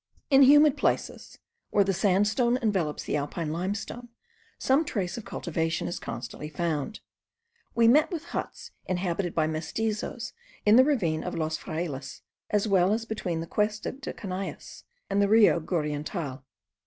In humid places, where the sandstone envelopes the Alpine limestone, some trace of cultivation is constantly found. We met with huts inhabited by mestizoes in the ravine of Los Frailes, as well as between the Cuesta de Caneyes, and the Rio Guriental.